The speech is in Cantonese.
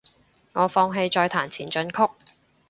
我放棄再彈前進曲